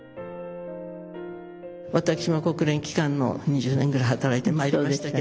私も国連機関の２０年ぐらい働いてまいりましたけど。